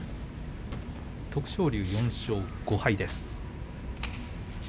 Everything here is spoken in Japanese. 徳勝龍、４勝５敗です。